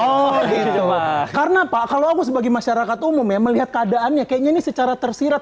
oh karena pak kalau aku sebagai masyarakat umum yang melihat keadaannya kayaknya secara tersirat